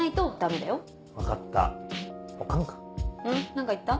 何か言った？